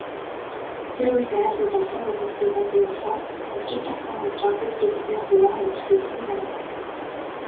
Тэр үед, айлууд олон хүүхэдтэй байсан болохоор хувьчилж авсан газраа хүүхдүүддээ хуваан өмчлүүлсэн байна.